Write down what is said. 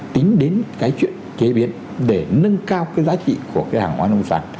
tính đến cái chuyện chế biến để nâng cao cái giá trị của cái hàng hóa nông sản